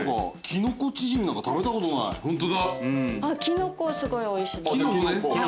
キノコすごいおいしい。